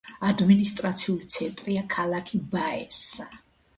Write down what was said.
ადმინისტრაციული ცენტრია ქალაქი ბაესა.